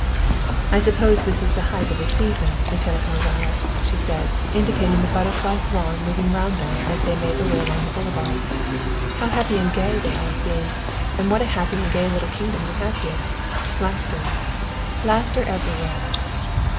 "I suppose this is the height of the season, Lieutenant Mozara," she said, indicating the butterfly throng moving round them as they made their way along the boulevard; "how happy and gay they all seem, and what a happy and gay little kingdom you have here laughter, laughter everywhere."